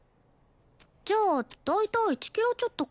じゃあ大体１キロちょっとか。